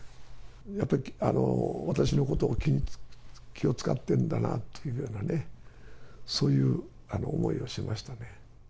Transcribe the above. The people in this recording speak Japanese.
やっぱり私のことを気を遣ってるんだなっていうようなね、そういう思いをしましたね。